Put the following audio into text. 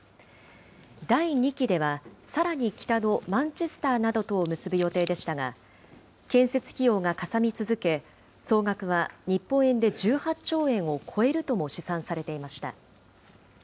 第２期では、さらに北のマンチェスターなどとを結ぶ予定でしたが、建設費用がかさみ続け、総額は日本円で１８兆円を超えるとも試算されていました。